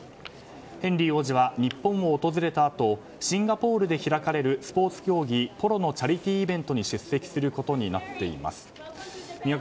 ヘンリー王子は日本を訪れたあとシンガポールで開かれるチャリティーイベントに出席することになっています。